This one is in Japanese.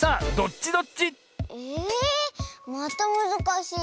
またむずかしい。